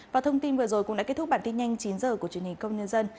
và thông tin vừa rồi cũng đã kết thúc bản tin nhanh chín h của truyền hình công nhân dân